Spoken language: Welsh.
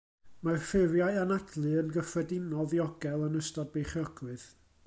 Mae'r ffurfiau anadlu yn gyffredinol ddiogel yn ystod beichiogrwydd.